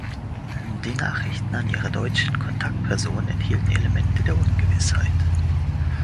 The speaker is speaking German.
Die Nachrichten an ihre deutschen Kontaktpersonen enthielten Elemente der Ungewissheit.